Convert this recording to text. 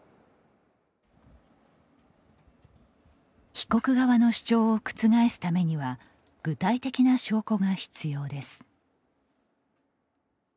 被告側の主張を覆すためには具体的な証拠が必要です。